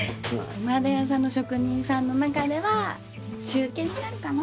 熊手屋さんの職人さんの中では中堅になるかな？